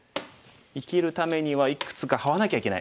生きるためにはいくつかハワなきゃいけない。